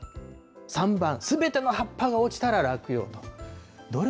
３番、すべての葉っぱが落ちたら落葉と。